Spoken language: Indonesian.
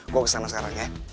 gue kesana sekarang ya